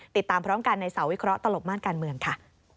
ติดตามพร้อมกันในเสาวิเคราะหลบม่านการเมืองค่ะ